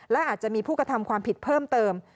และอาจจะมีผู้กระทำความผิดเพิ่มเติม